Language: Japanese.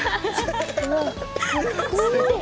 すごい。